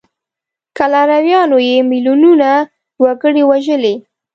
که لارویانو یې میلیونونه وګړي وژلي.